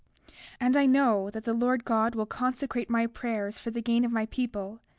33:4 And I know that the Lord God will consecrate my prayers for the gain of my people.